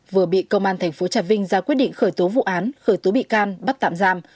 vừa bị công an tp trà vinh ra quyết định khởi tố vụ án khởi tố bị can bắt tạm giam